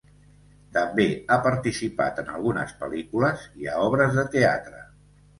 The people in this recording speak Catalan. També ha participat en algunes pel·lícules i a obres de teatre.